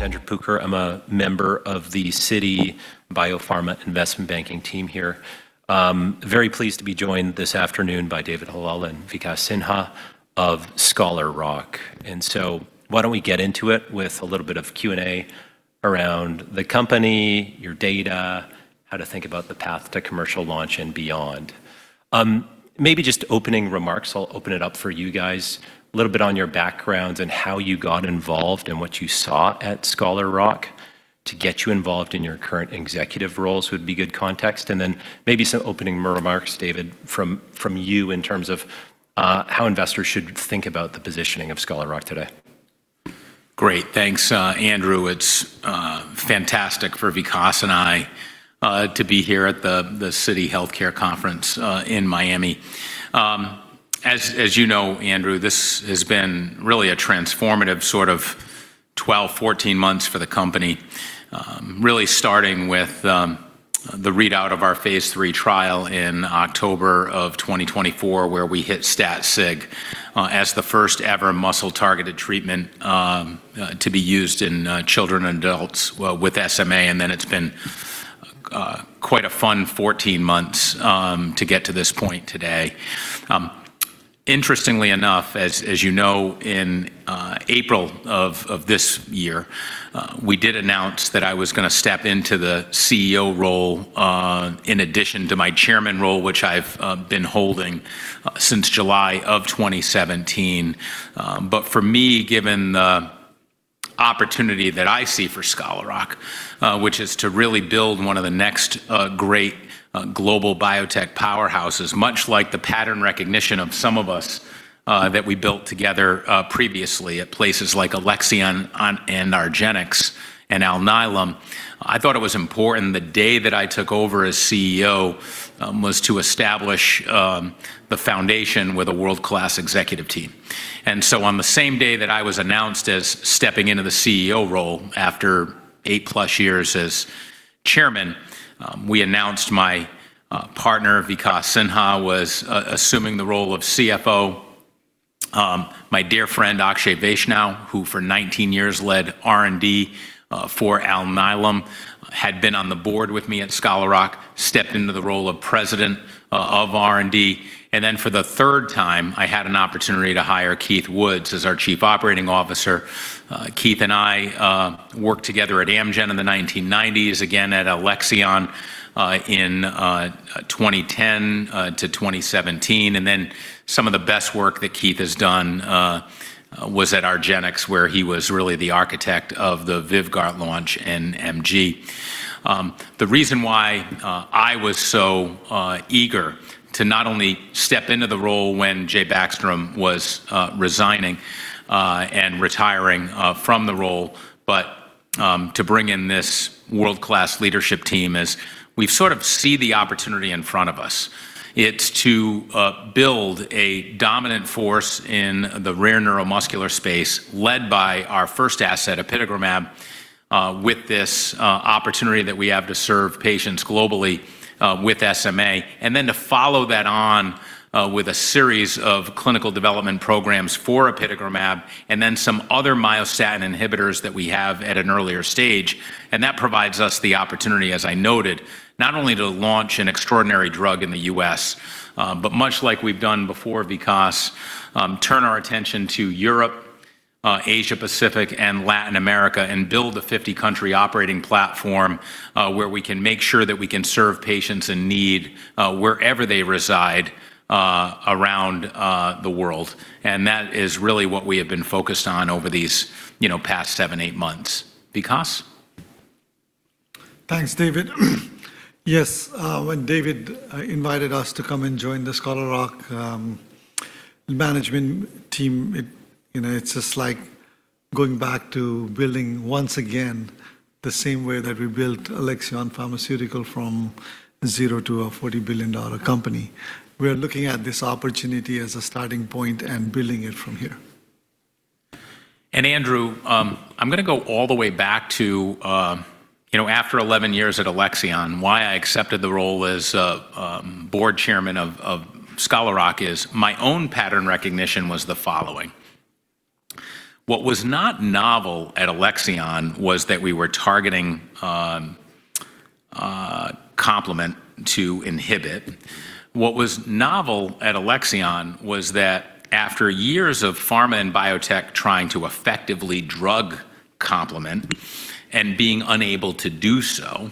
Andrew Parker, I'm a member of the Citi Biopharma Investment Banking team here. Very pleased to be joined this afternoon by David Hallal and Vikas Sinha of Scholar Rock, and so why don't we get into it with a little bit of Q&A around the company, your data, how to think about the path to commercial launch and beyond. Maybe just opening remarks, I'll open it up for you guys. A little bit on your background and how you got involved and what you saw at Scholar Rock to get you involved in your current executive roles would be good context, and then maybe some opening remarks, David, from you in terms of how investors should think about the positioning of Scholar Rock today. Great. Thanks, Andrew. It's fantastic for Vikas and I to be here at the Citi Healthcare Conference in Miami. As you know, Andrew, this has been really a transformative sort of 12, 14 months for the company, really starting with the readout of our phase III trial in October of 2024, where we hit StatSig as the first ever muscle-targeted treatment to be used in children and adults with SMA, and then it's been quite a fun 14 months to get to this point today. Interestingly enough, as you know, in April of this year, we did announce that I was going to step into the CEO role in addition to my chairman role, which I've been holding since July of 2017. But for me, given the opportunity that I see for Scholar Rock, which is to really build one of the next great global biotech powerhouses, much like the pattern recognition of some of us that we built together previously at places like Alexion and argenx and Alnylam, I thought it was important the day that I took over as CEO was to establish the foundation with a world-class executive team. And so on the same day that I was announced as stepping into the CEO role after eight-plus years as chairman, we announced my partner, Vikas Sinha, was assuming the role of CFO. My dear friend, Akshay Vaishnaw, who for 19 years led R&D for Alnylam, had been on the board with me at Scholar Rock, stepped into the role of President of R&D. Then for the third time, I had an opportunity to hire Keith Woods as our Chief Operating Officer. Keith and I worked together at Amgen in the 1990s, again at Alexion in 2010 to 2017. Some of the best work that Keith has done was at argenx, where he was really the architect of the VYVGART launch and MG. The reason why I was so eager to not only step into the role when Jay Backstrom was resigning and retiring from the role, but to bring in this world-class leadership team is we sort of see the opportunity in front of us. It's to build a dominant force in the rare neuromuscular space led by our first asset, apitegromab, with this opportunity that we have to serve patients globally with SMA, and then to follow that on with a series of clinical development programs for apitegromab and then some other myostatin inhibitors that we have at an earlier stage. And that provides us the opportunity, as I noted, not only to launch an extraordinary drug in the U.S., but much like we've done before, Vikas, turn our attention to Europe, Asia-Pacific, and Latin America and build a 50-country operating platform where we can make sure that we can serve patients in need wherever they reside around the world. And that is really what we have been focused on over these past seven, eight months. Vikas? Thanks, David. Yes, when David invited us to come and join the Scholar Rock management team, it's just like going back to building once again the same way that we built Alexion Pharmaceuticals from zero to a $40 billion company. We are looking at this opportunity as a starting point and building it from here. And Andrew, I'm going to go all the way back to after 11 years at Alexion. Why I accepted the role as board chairman of Scholar Rock is my own pattern recognition was the following. What was not novel at Alexion was that we were targeting complement to inhibit. What was novel at Alexion was that after years of pharma and biotech trying to effectively drug complement and being unable to do so,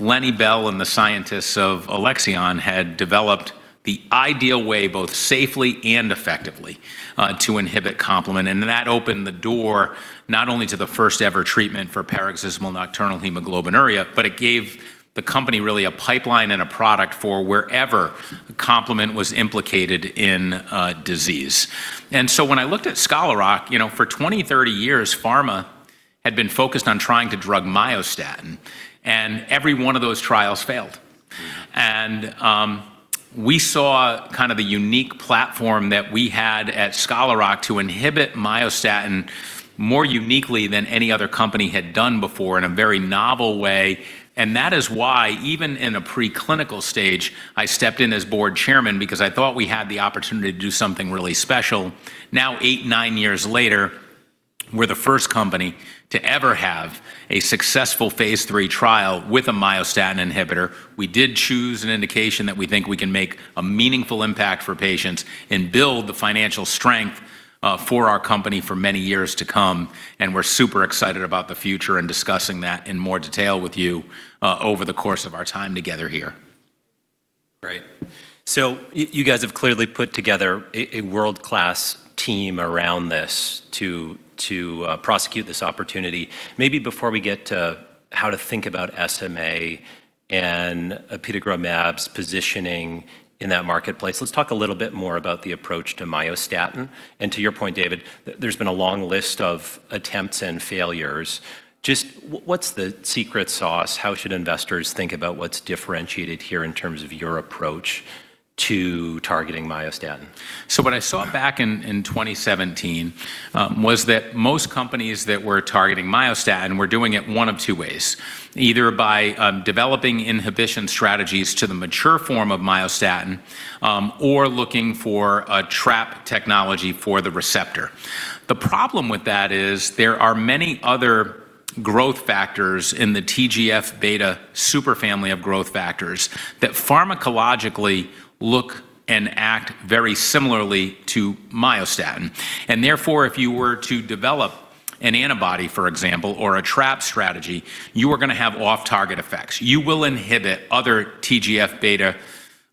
Lenny Bell and the scientists of Alexion had developed the ideal way both safely and effectively to inhibit complement. And that opened the door not only to the first-ever treatment for paroxysmal nocturnal hemoglobinuria, but it gave the company really a pipeline and a product for wherever complement was implicated in disease. And so when I looked at Scholar Rock, for 20, 30 years, pharma had been focused on trying to drug myostatin, and every one of those trials failed. And we saw kind of the unique platform that we had at Scholar Rock to inhibit myostatin more uniquely than any other company had done before in a very novel way. And that is why even in a preclinical stage, I stepped in as board chairman because I thought we had the opportunity to do something really special. Now, eight, nine years later, we're the first company to ever have a successful phase III trial with a myostatin inhibitor. We did choose an indication that we think we can make a meaningful impact for patients and build the financial strength for our company for many years to come. We're super excited about the future and discussing that in more detail with you over the course of our time together here. Great. So you guys have clearly put together a world-class team around this to prosecute this opportunity. Maybe before we get to how to think about SMA and apitegromab's positioning in that marketplace, let's talk a little bit more about the approach to myostatin. And to your point, David, there's been a long list of attempts and failures. Just what's the secret sauce? How should investors think about what's differentiated here in terms of your approach to targeting myostatin? So what I saw back in 2017 was that most companies that were targeting myostatin were doing it one of two ways, either by developing inhibition strategies to the mature form of myostatin or looking for a trap technology for the receptor. The problem with that is there are many other growth factors in the TGF-beta superfamily of growth factors that pharmacologically look and act very similarly to myostatin. And therefore, if you were to develop an antibody, for example, or a trap strategy, you are going to have off-target effects. You will inhibit other TGF-beta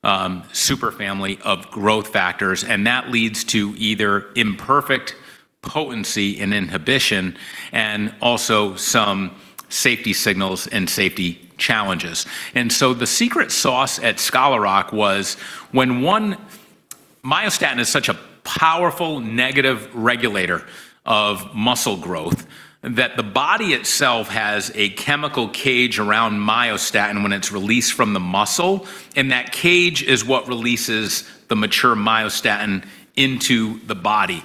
superfamily of growth factors, and that leads to either imperfect potency in inhibition and also some safety signals and safety challenges. And so the secret sauce at Scholar Rock was when myostatin is such a powerful negative regulator of muscle growth that the body itself has a chemical cage around myostatin when it's released from the muscle, and that cage is what releases the mature myostatin into the body.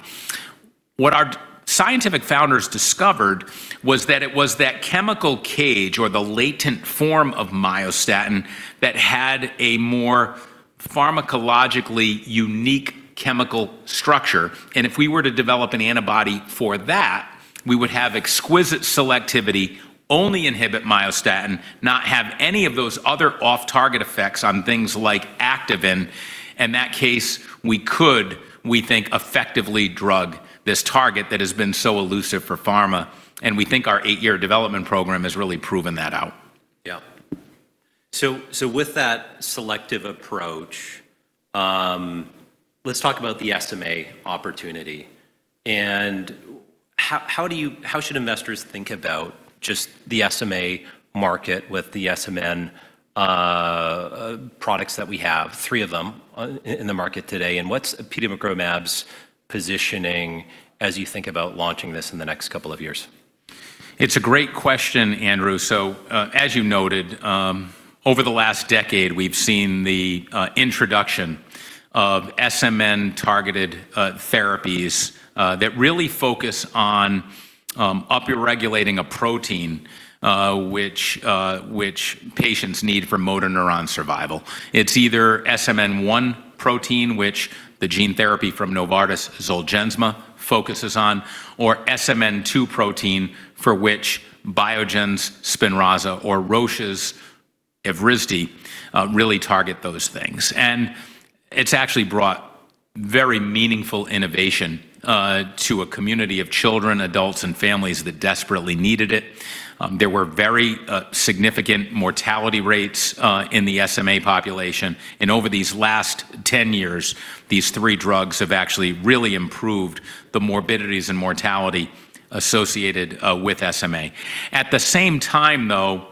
What our scientific founders discovered was that it was that chemical cage or the latent form of myostatin that had a more pharmacologically unique chemical structure. And if we were to develop an antibody for that, we would have exquisite selectivity, only inhibit myostatin, not have any of those other off-target effects on things like activin. In that case, we could, we think, effectively drug this target that has been so elusive for pharma. And we think our eight-year development program has really proven that out. Yeah. So with that selective approach, let's talk about the SMA opportunity. And how should investors think about just the SMA market with the SMN products that we have, three of them in the market today? And what's apitegromab's positioning as you think about launching this in the next couple of years? It's a great question, Andrew. So as you noted, over the last decade, we've seen the introduction of SMN-targeted therapies that really focus on upregulating a protein which patients need for motor neuron survival. It's either SMN1 protein, which the gene therapy from Novartis' ZOLGENSMA focuses on, or SMN2 protein for which Biogen's SPINRAZA or Roche's Evrysdi really target those things, and it's actually brought very meaningful innovation to a community of children, adults, and families that desperately needed it. There were very significant mortality rates in the SMA population, and over these last 10 years, these three drugs have actually really improved the morbidities and mortality associated with SMA. At the same time, though,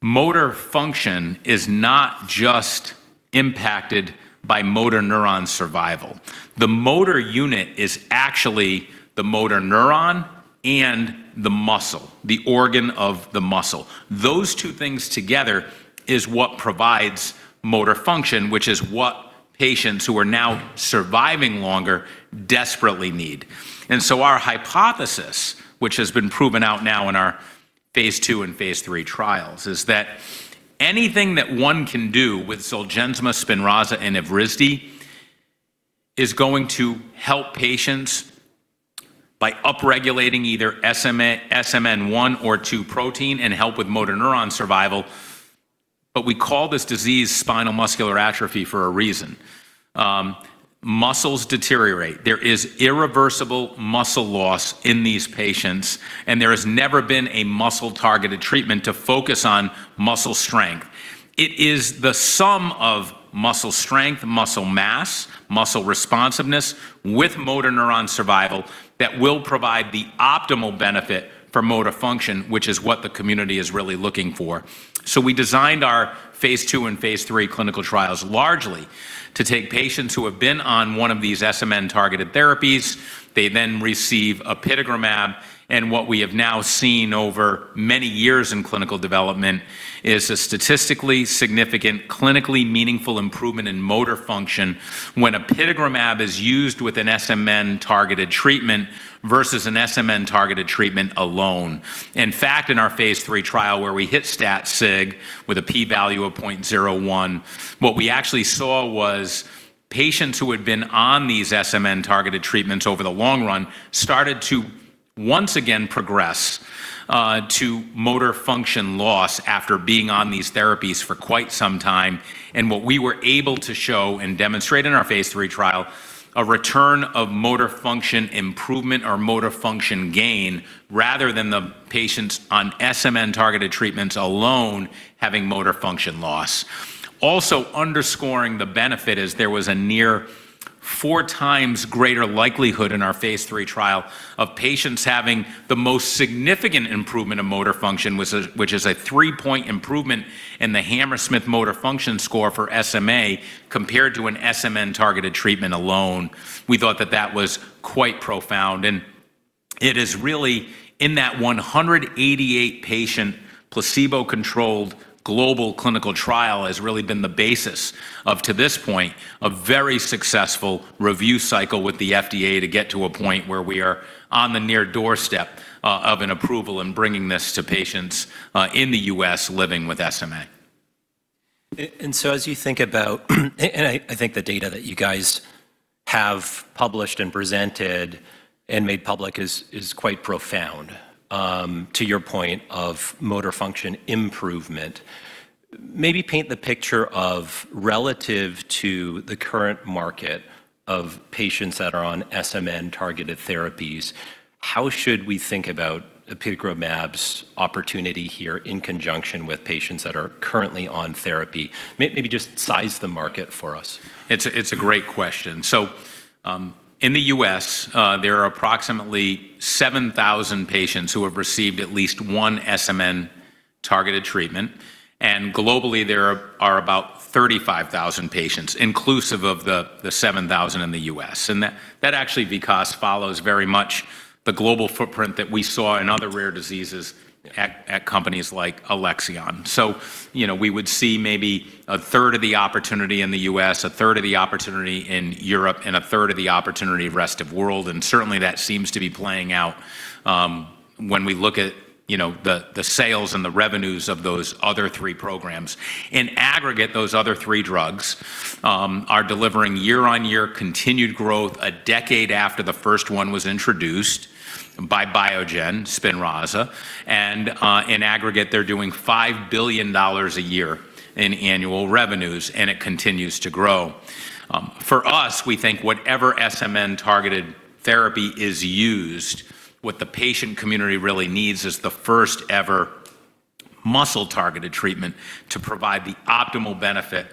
motor function is not just impacted by motor neuron survival. The motor unit is actually the motor neuron and the muscle, the organ of the muscle. Those two things together is what provides motor function, which is what patients who are now surviving longer desperately need, and so our hypothesis, which has been proven out now in our phase II and phase III trials, is that anything that one can do with ZOLGENSMA, SPINRAZA and Evrysdi is going to help patients by upregulating either SMN1 or SMN2 protein and help with motor neuron survival, but we call this disease spinal muscular atrophy for a reason. Muscles deteriorate. There is irreversible muscle loss in these patients, and there has never been a muscle-targeted treatment to focus on muscle strength. It is the sum of muscle strength, muscle mass, muscle responsiveness with motor neuron survival that will provide the optimal benefit for motor function, which is what the community is really looking for. We designed our phase II and phase III clinical trials largely to take patients who have been on one of these SMN-targeted therapies. They then receive apitegromab. What we have now seen over many years in clinical development is a statistically significant, clinically meaningful improvement in motor function when apitegromab is used with an SMN-targeted treatment versus an SMN-targeted treatment alone. In fact, in our phase III trial where we hit StatSig with a p-value of 0.01, what we actually saw was patients who had been on these SMN-targeted treatments over the long run started to once again progress to motor function loss after being on these therapies for quite some time. And what we were able to show and demonstrate in our phase III trial, a return of motor function improvement or motor function gain rather than the patients on SMN-targeted treatments alone having motor function loss. Also underscoring the benefit is there was a near four times greater likelihood in our phase III trial of patients having the most significant improvement of motor function, which is a three-point improvement in the Hammersmith motor function score for SMA compared to an SMN-targeted treatment alone. We thought that that was quite profound. And it is really in that 188-patient placebo-controlled global clinical trial has really been the basis of, to this point, a very successful review cycle with the FDA to get to a point where we are on the near doorstep of an approval and bringing this to patients in the U.S. living with SMA. So as you think about, and I think the data that you guys have published and presented and made public is quite profound to your point of motor function improvement, maybe paint the picture of relative to the current market of patients that are on SMN-targeted therapies, how should we think about apitegromab's opportunity here in conjunction with patients that are currently on therapy? Maybe just size the market for us. It's a great question, so in the U.S., there are approximately 7,000 patients who have received at least one SMN-targeted treatment, and globally, there are about 35,000 patients inclusive of the 7,000 in the U.S., and that actually, Vikas, follows very much the global footprint that we saw in other rare diseases at companies like Alexion, so we would see maybe a third of the opportunity in the U.S., a third of the opportunity in Europe, and a third of the opportunity rest of world, and certainly, that seems to be playing out when we look at the sales and the revenues of those other three programs. In aggregate, those other three drugs are delivering year-on-year continued growth a decade after the first one was introduced by Biogen, SPINRAZA and in aggregate, they're doing $5 billion a year in annual revenues, and it continues to grow. For us, we think whatever SMN-targeted therapy is used, what the patient community really needs is the first-ever muscle-targeted treatment to provide the optimal benefit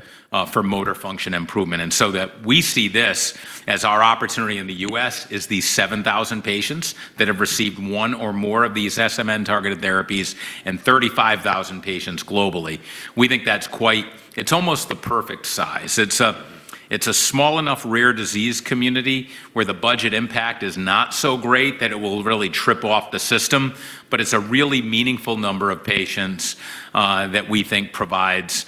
for motor function improvement. And so that we see this as our opportunity in the U.S. is these 7,000 patients that have received one or more of these SMN-targeted therapies and 35,000 patients globally. We think that's quite, it's almost the perfect size. It's a small enough rare disease community where the budget impact is not so great that it will really trip off the system, but it's a really meaningful number of patients that we think provides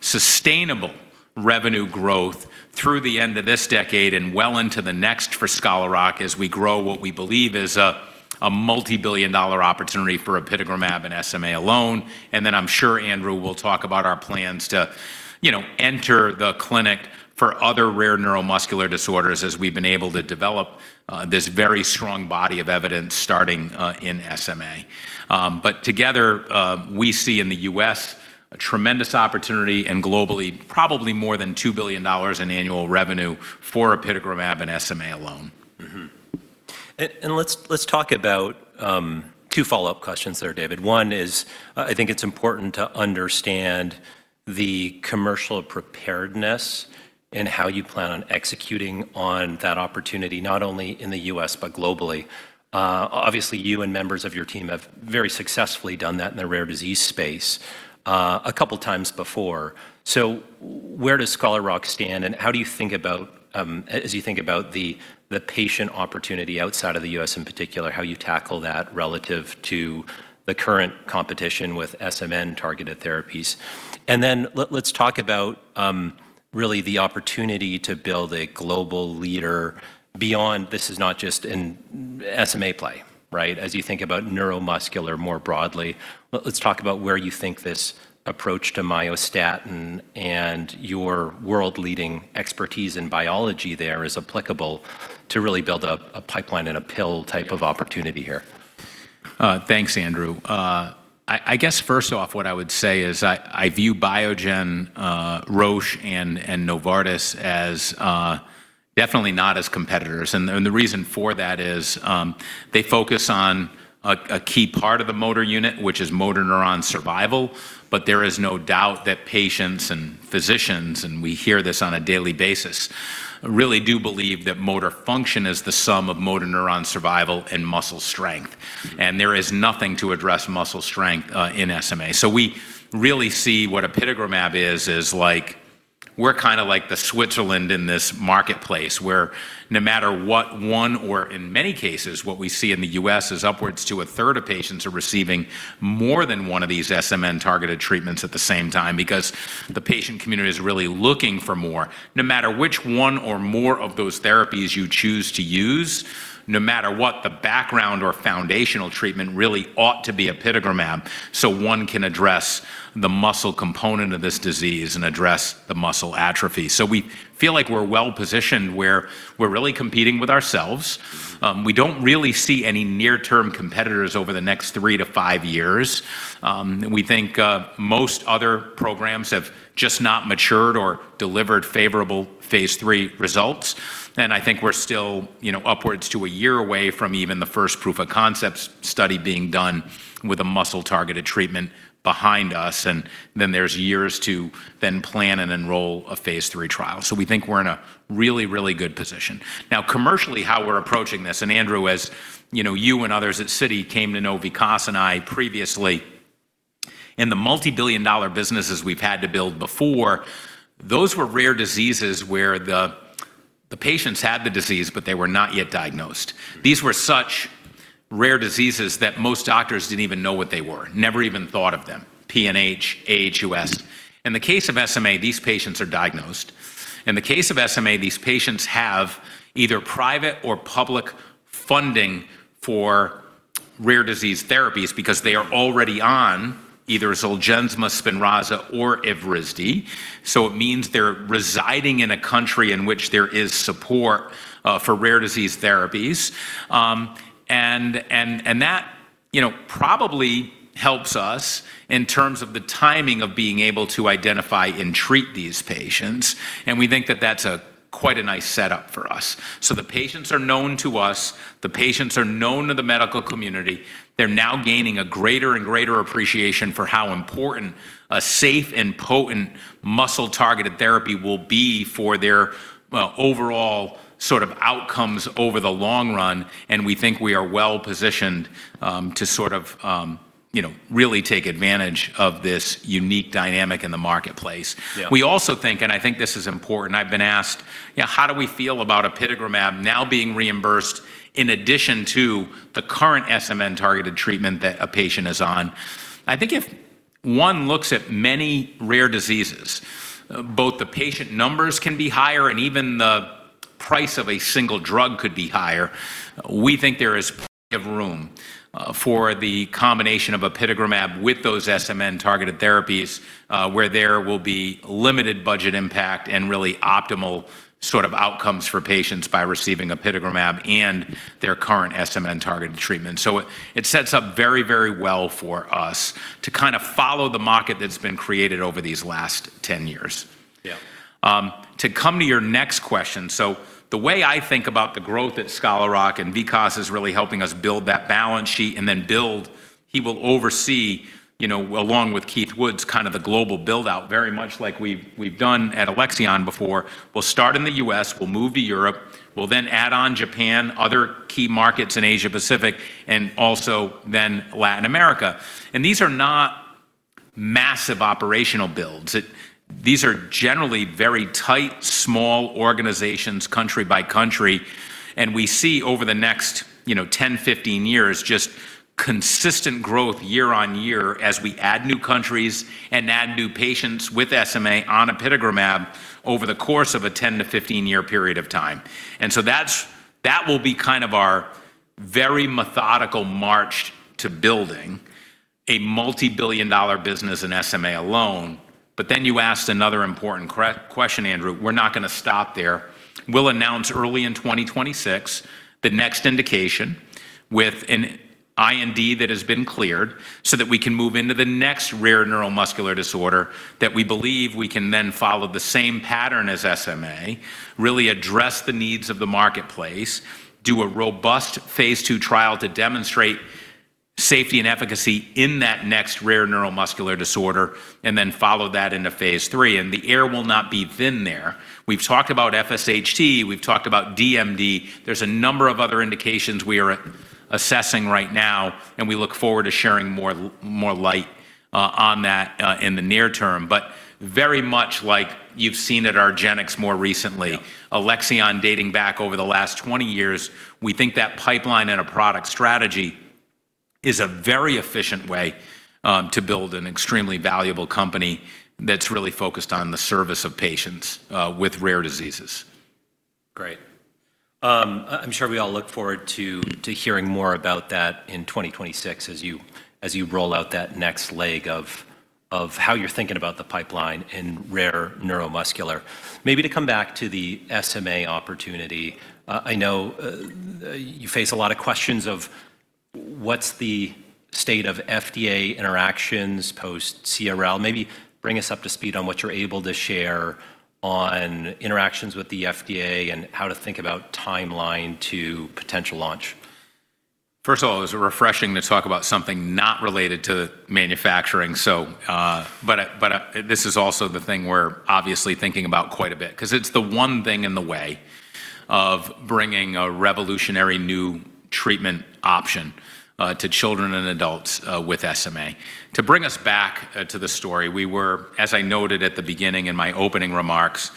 sustainable revenue growth through the end of this decade and well into the next for Scholar Rock as we grow what we believe is a multi-billion dollar opportunity for apitegromab and SMA alone. And then I'm sure Andrew will talk about our plans to enter the clinic for other rare neuromuscular disorders as we've been able to develop this very strong body of evidence starting in SMA. But together, we see in the U.S. a tremendous opportunity and globally probably more than $2 billion in annual revenue for apitegromab and SMA alone. And let's talk about two follow-up questions there, David. One is I think it's important to understand the commercial preparedness and how you plan on executing on that opportunity not only in the U.S., but globally. Obviously, you and members of your team have very successfully done that in the rare disease space a couple of times before. So where does Scholar Rock stand, and how do you think about, as you think about the patient opportunity outside of the U.S. in particular, how you tackle that relative to the current competition with SMN-targeted therapies? And then let's talk about really the opportunity to build a global leader beyond this is not just an SMA play, right? As you think about neuromuscular more broadly, let's talk about where you think this approach to myostatin and your world-leading expertise in biology there is applicable to really build a pipeline and a pill type of opportunity here. Thanks, Andrew. I guess first off, what I would say is I view Biogen, Roche, and Novartis as definitely not competitors, and the reason for that is they focus on a key part of the motor unit, which is motor neuron survival. But there is no doubt that patients and physicians, and we hear this on a daily basis, really do believe that motor function is the sum of motor neuron survival and muscle strength. And there is nothing to address muscle strength in SMA. So we really see what apitegromab is, is like we're kind of like the Switzerland in this marketplace where no matter what one or in many cases, what we see in the U.S. is upwards to a third of patients are receiving more than one of these SMN-targeted treatments at the same time because the patient community is really looking for more. No matter which one or more of those therapies you choose to use, no matter what the background or foundational treatment really ought to be, apitegromab, so one can address the muscle component of this disease and address the muscle atrophy. We feel like we're well positioned where we're really competing with ourselves. We don't really see any near-term competitors over the next three to five years. We think most other programs have just not matured or delivered favorable phase III results. I think we're still upwards to a year away from even the first proof of concepts study being done with a muscle-targeted treatment behind us. Then there's years to then plan and enroll a phase III trial. We think we're in a really, really good position. Now, commercially, how we're approaching this, and Andrew, as you and others at Citi came to know Vikas and I previously, in the multi-billion dollar businesses we've had to build before, those were rare diseases where the patients had the disease, but they were not yet diagnosed. These were such rare diseases that most doctors didn't even know what they were, never even thought of them, PNH, AHUS. In the case of SMA, these patients are diagnosed. In the case of SMA, these patients have either private or public funding for rare disease therapies because they are already on either ZOLGENSMA, SPINRAZA or Evrysdi, so it means they're residing in a country in which there is support for rare disease therapies, and that probably helps us in terms of the timing of being able to identify and treat these patients. We think that that's quite a nice setup for us. The patients are known to us. The patients are known to the medical community. They're now gaining a greater and greater appreciation for how important a safe and potent muscle-targeted therapy will be for their overall sort of outcomes over the long run. We think we are well positioned to sort of really take advantage of this unique dynamic in the marketplace. We also think, and I think this is important, I've been asked, how do we feel about apitegromab now being reimbursed in addition to the current SMN-targeted treatment that a patient is on? I think if one looks at many rare diseases, both the patient numbers can be higher and even the price of a single drug could be higher. We think there is plenty of room for the combination of apitegromab with those SMN-targeted therapies where there will be limited budget impact and really optimal sort of outcomes for patients by receiving apitegromab and their current SMN-targeted treatment. So it sets up very, very well for us to kind of follow the market that's been created over these last 10 years. Yeah. To come to your next question, so the way I think about the growth at Scholar Rock and Vikas is really helping us build that balance sheet and then build, he will oversee along with Keith Woods kind of the global build-out very much like we've done at Alexion before. We'll start in the U.S., we'll move to Europe, we'll then add on Japan, other key markets in Asia-Pacific, and also then Latin America, and these are not massive operational builds. These are generally very tight, small organizations, country by country. And we see over the next 10-15 years just consistent growth year on year as we add new countries and add new patients with SMA on apitegromab over the course of a 10- to 15-year period of time. And so that will be kind of our very methodical march to building a multi-billion-dollar business in SMA alone. But then you asked another important question, Andrew. We're not going to stop there. We'll announce early in 2026 the next indication with an IND that has been cleared so that we can move into the next rare neuromuscular disorder that we believe we can then follow the same pattern as SMA, really address the needs of the marketplace, do a robust phase II trial to demonstrate safety and efficacy in that next rare neuromuscular disorder, and then follow that into phase III. And the air will not be thin there. We've talked about FSHD. We've talked about DMD. There's a number of other indications we are assessing right now, and we look forward to sharing more light on that in the near term. But very much like you've seen at our argenx more recently, Alexion dating back over the last 20 years, we think that pipeline and a product strategy is a very efficient way to build an extremely valuable company that's really focused on the service of patients with rare diseases. Great. I'm sure we all look forward to hearing more about that in 2026 as you roll out that next leg of how you're thinking about the pipeline in rare neuromuscular. Maybe to come back to the SMA opportunity, I know you face a lot of questions of what's the state of FDA interactions post-CRL? Maybe bring us up to speed on what you're able to share on interactions with the FDA and how to think about timeline to potential launch. First of all, it's refreshing to talk about something not related to manufacturing. But this is also the thing we're obviously thinking about quite a bit because it's the one thing in the way of bringing a revolutionary new treatment option to children and adults with SMA. To bring us back to the story, we were, as I noted at the beginning in my opening remarks,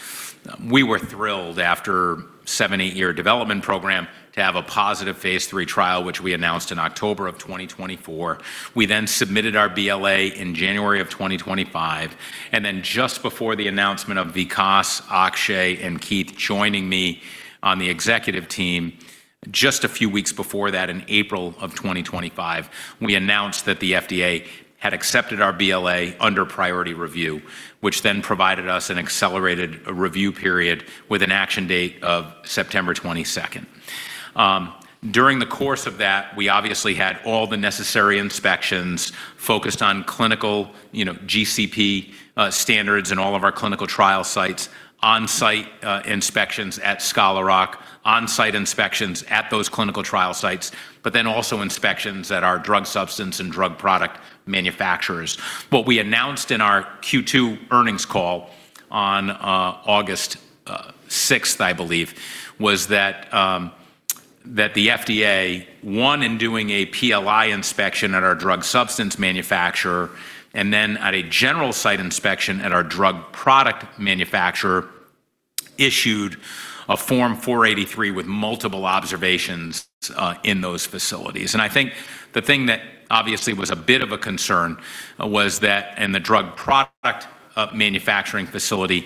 we were thrilled after a seven, eight-year development program to have a positive phase III trial, which we announced in October of 2024. We then submitted our BLA in January of 2025. And then just before the announcement of Vikas, Akshay, and Keith joining me on the executive team, just a few weeks before that in April of 2025, we announced that the FDA had accepted our BLA under priority review, which then provided us an accelerated review period with an action date of September 22nd. During the course of that, we obviously had all the necessary inspections focused on clinical GCP standards and all of our clinical trial sites, on-site inspections at Scholar Rock, on-site inspections at those clinical trial sites, but then also inspections at our drug substance and drug product manufacturers. What we announced in our Q2 earnings call on August 6th, I believe, was that the FDA, when doing a PLI inspection at our drug substance manufacturer and then at a general site inspection at our drug product manufacturer, issued a Form 483 with multiple observations in those facilities. And I think the thing that obviously was a bit of a concern was that in the drug product manufacturing facility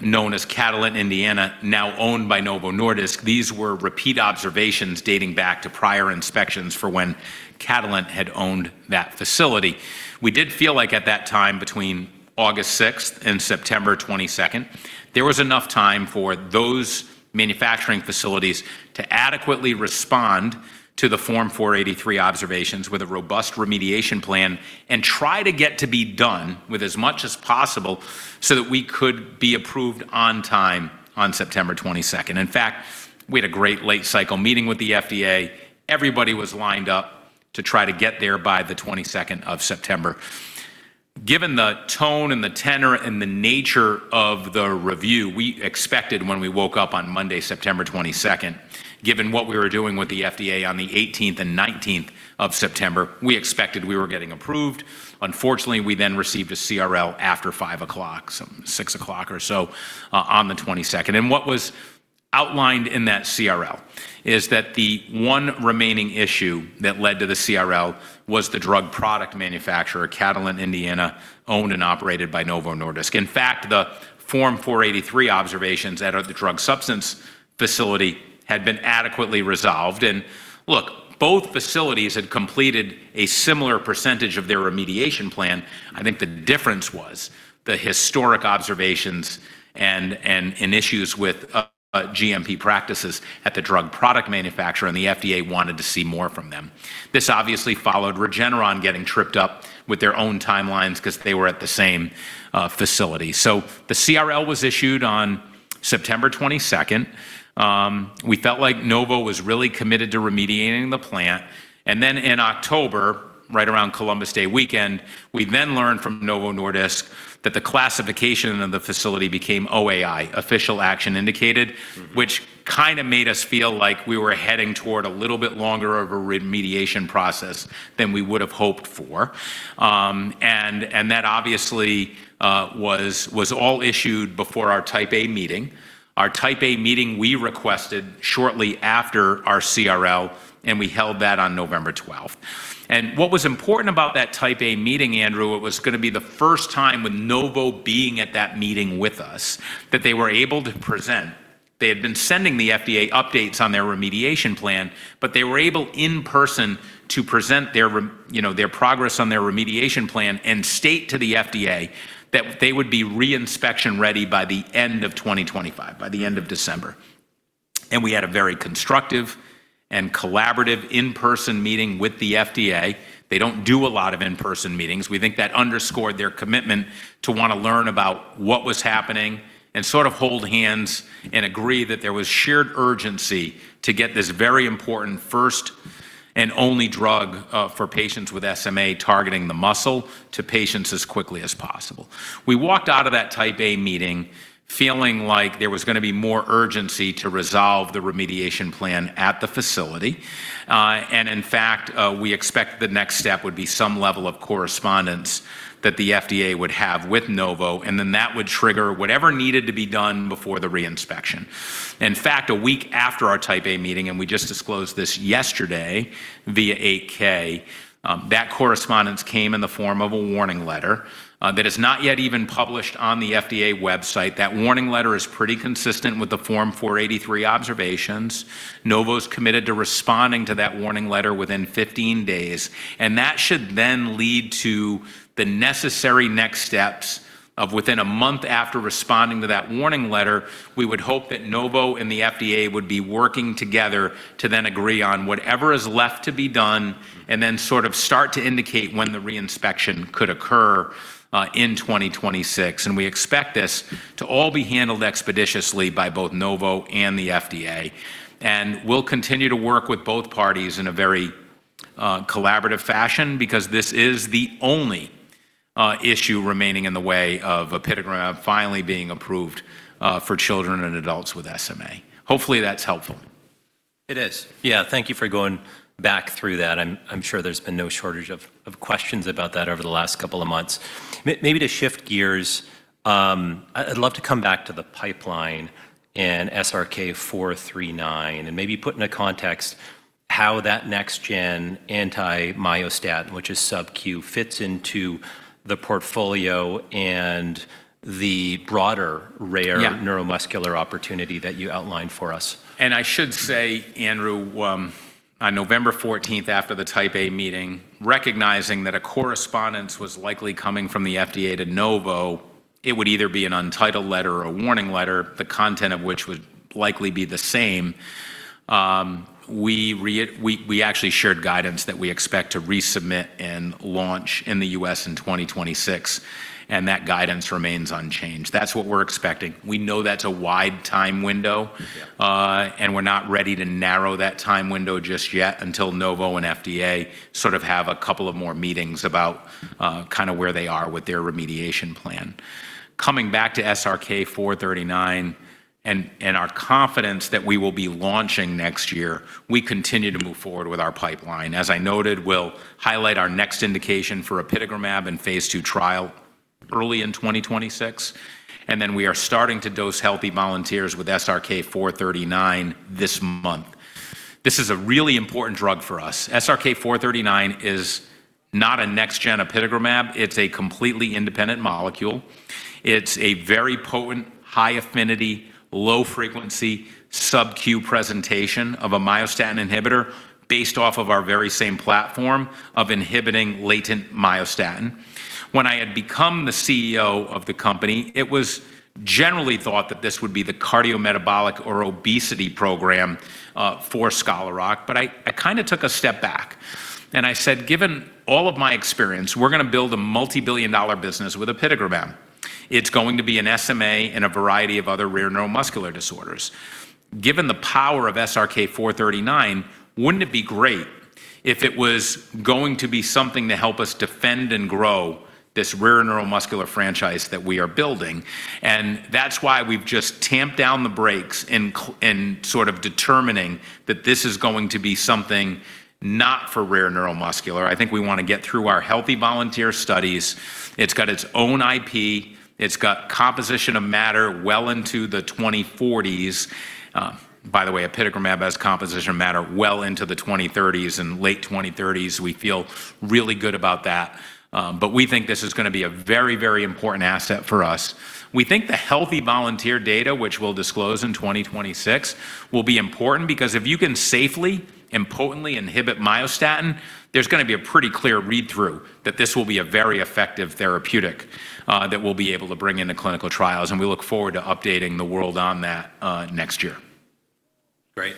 known as Catalent, Indiana, now owned by Novo Nordisk, these were repeat observations dating back to prior inspections for when Catalent had owned that facility. We did feel like at that time between August 6th and September 22nd, there was enough time for those manufacturing facilities to adequately respond to the Form 483 observations with a robust remediation plan and try to get to be done with as much as possible so that we could be approved on time on September 22nd. In fact, we had a great late-cycle meeting with the FDA. Everybody was lined up to try to get there by the 22nd of September. Given the tone and the tenor and the nature of the review, we expected when we woke up on Monday, September 22nd, given what we were doing with the FDA on the 18th and 19th of September, we expected we were getting approved. Unfortunately, we then received a CRL after five o'clock, six o'clock or so on the 22nd. What was outlined in that CRL is that the one remaining issue that led to the CRL was the drug product manufacturer, Catalent, Indiana, owned and operated by Novo Nordisk. In fact, the Form 483 observations at the drug substance facility had been adequately resolved. And look, both facilities had completed a similar percentage of their remediation plan. I think the difference was the historic observations and issues with GMP practices at the drug product manufacturer, and the FDA wanted to see more from them. This obviously followed Regeneron getting tripped up with their own timelines because they were at the same facility. So the CRL was issued on September 22nd. We felt like Novo was really committed to remediating the plant. Then in October, right around Columbus Day weekend, we then learned from Novo Nordisk that the classification of the facility became OAI, Official Action Indicated, which kind of made us feel like we were heading toward a little bit longer of a remediation process than we would have hoped for. That obviously was all issued before our Type A meeting. Our Type A meeting we requested shortly after our CRL, and we held that on November 12th. What was important about that Type A meeting, Andrew, it was going to be the first time with Novo being at that meeting with us that they were able to present. They had been sending the FDA updates on their remediation plan, but they were able in person to present their progress on their remediation plan and state to the FDA that they would be reinspection ready by the end of 2025, by the end of December. And we had a very constructive and collaborative in-person meeting with the FDA. They don't do a lot of in-person meetings. We think that underscored their commitment to want to learn about what was happening and sort of hold hands and agree that there was shared urgency to get this very important first and only drug for patients with SMA targeting the muscle to patients as quickly as possible. We walked out of that Type A meeting feeling like there was going to be more urgency to resolve the remediation plan at the facility. In fact, we expect the next step would be some level of correspondence that the FDA would have with Novo, and then that would trigger whatever needed to be done before the reinspection. In fact, a week after our Type A meeting, and we just disclosed this yesterday via 8K, that correspondence came in the form of a warning letter that is not yet even published on the FDA website. That warning letter is pretty consistent with the Form 483 observations. Novo is committed to responding to that warning letter within 15 days. And that should then lead to the necessary next steps. Within a month after responding to that warning letter, we would hope that Novo and the FDA would be working together to then agree on whatever is left to be done and then sort of start to indicate when the reinspection could occur in 2026. And we expect this to all be handled expeditiously by both Novo and the FDA. And we'll continue to work with both parties in a very collaborative fashion because this is the only issue remaining in the way of apitegromab finally being approved for children and adults with SMA. Hopefully, that's helpful. It is. Yeah. Thank you for going back through that. I'm sure there's been no shortage of questions about that over the last couple of months. Maybe to shift gears, I'd love to come back to the pipeline and SRK-439 and maybe put in a context how that next-gen anti-myostatin, which is sub-Q, fits into the portfolio and the broader rare neuromuscular opportunity that you outlined for us. And I should say, Andrew, on November 14th, after the Type A meeting, recognizing that a correspondence was likely coming from the FDA to Novo, it would either be an untitled letter or a warning letter, the content of which would likely be the same. We actually shared guidance that we expect to resubmit and launch in the U.S. in 2026, and that guidance remains unchanged. That's what we're expecting. We know that's a wide time window, and we're not ready to narrow that time window just yet until Novo and FDA sort of have a couple of more meetings about kind of where they are with their remediation plan. Coming back to SRK-439 and our confidence that we will be launching next year, we continue to move forward with our pipeline. As I noted, we'll highlight our next indication for apitegromab and phase II trial early in 2026. And then we are starting to dose healthy volunteers with SRK439 this month. This is a really important drug for us. SRK439 is not a next-gen apitegromab. It's a completely independent molecule. It's a very potent, high affinity, low frequency sub-Q presentation of a myostatin inhibitor based off of our very same platform of inhibiting latent myostatin. When I had become the CEO of the company, it was generally thought that this would be the cardiometabolic or obesity program for Scholar Rock. But I kind of took a step back and I said, "Given all of my experience, we're going to build a multi-billion dollar business with apitegromab. It's going to be an SMA and a variety of other rare neuromuscular disorders. Given the power of SRK-439, wouldn't it be great if it was going to be something to help us defend and grow this rare neuromuscular franchise that we are building? And that's why we've just tamped down the brakes in sort of determining that this is going to be something not for rare neuromuscular. I think we want to get through our healthy volunteer studies. It's got its own IP. It's got composition of matter well into the 2040s. By the way, apitegromab has composition of matter well into the 2030s and late 2030s. We feel really good about that. But we think this is going to be a very, very important asset for us. We think the healthy volunteer data, which we'll disclose in 2026, will be important because if you can safely and potently inhibit myostatin, there's going to be a pretty clear read-through that this will be a very effective therapeutic that we'll be able to bring into clinical trials, and we look forward to updating the world on that next year. Great.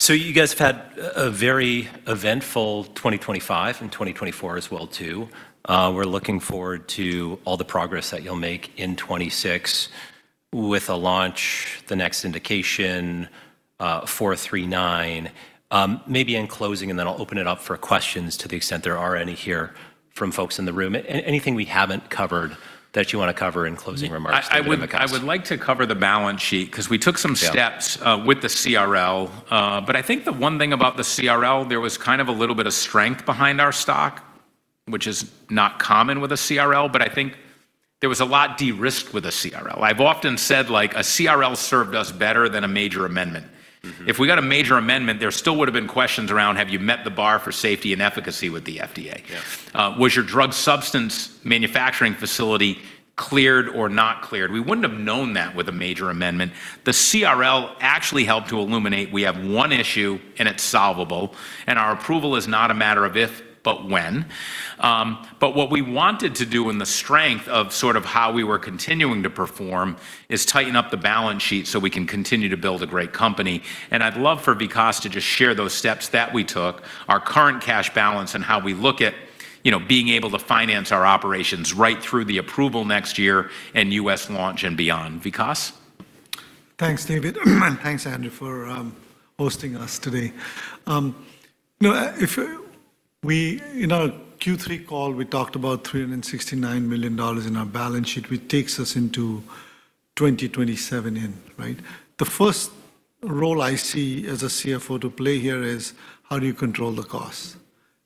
So you guys have had a very eventful 2025 and 2024 as well too. We're looking forward to all the progress that you'll make in 2026 with a launch, the next indication, 439. Maybe in closing, and then I'll open it up for questions to the extent there are any here from folks in the room. Anything we haven't covered that you want to cover in closing remarks? I would like to cover the balance sheet because we took some steps with the CRL, but I think the one thing about the CRL, there was kind of a little bit of strength behind our stock, which is not common with a CRL, but I think there was a lot de-risked with a CRL. I've often said like a CRL served us better than a major amendment. If we got a major amendment, there still would have been questions around, "Have you met the bar for safety and efficacy with the FDA? Was your drug substance manufacturing facility cleared or not cleared?" We wouldn't have known that with a major amendment. The CRL actually helped to illuminate we have one issue and it's solvable, and our approval is not a matter of if, but when. But what we wanted to do in the strength of sort of how we were continuing to perform is tighten up the balance sheet so we can continue to build a great company. And I'd love for Vikas to just share those steps that we took, our current cash balance, and how we look at being able to finance our operations right through the approval next year and U.S. launch and beyond. Vikas. Thanks, David. And thanks, Andrew, for hosting us today. In our Q3 call, we talked about $369 million in our balance sheet, which takes us into 2027 in, right? The first role I see as a CFO to play here is how do you control the cost?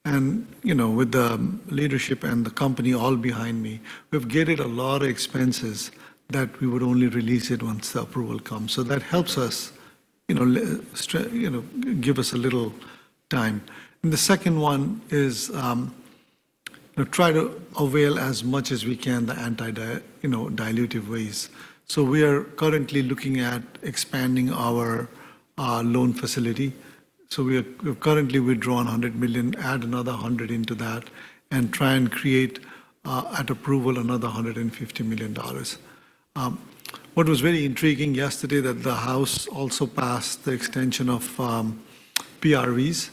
And with the leadership and the company all behind me, we've gated a lot of expenses that we would only release it once the approval comes. So that helps us give us a little time. And the second one is try to avail as much as we can the antidilutive ways. So we are currently looking at expanding our loan facility. So we have currently withdrawn $100 million, add another $100 into that, and try and create at approval another $150 million. What was very intriguing yesterday that the House also passed the extension of PRVs,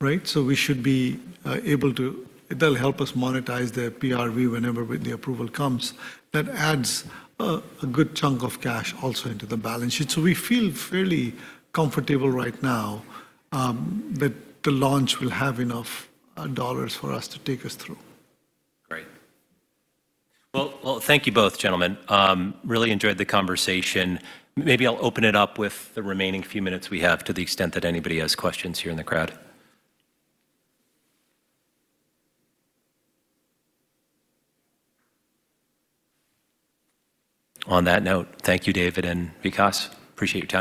right? So we should be able to, they'll help us monetize the PRV whenever the approval comes. That adds a good chunk of cash also into the balance sheet. So we feel fairly comfortable right now that the launch will have enough dollars for us to take us through. Great. Well, thank you both, gentlemen. Really enjoyed the conversation. Maybe I'll open it up with the remaining few minutes we have to the extent that anybody has questions here in the crowd. On that note, thank you, David and Vikas. Appreciate your time.